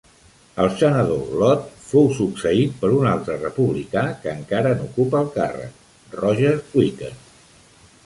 El senador Lott fou succeït per un altre republicà que encara n'ocupa el càrrec, Roger Wicker.